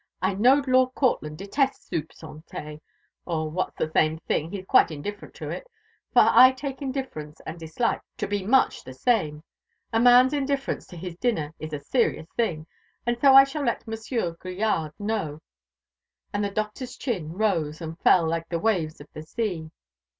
I know Lord Courtland detests soupe _santé, _or, what's the same thing, he's quite indifferent to it; for I take indifference and dislike to be much the same. A man's indifference to his dinner is a serious thing, and so I shall let Monsieur Grillade know." And the Doctor's chin rose and fell like the waves of the sea.